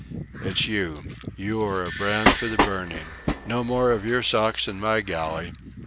"It's you. You are a brand for the burning! No more of your socks in my galley."